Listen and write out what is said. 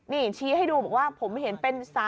นี่ชี้ให้ดูบอกว่าผมเห็นเป็น๓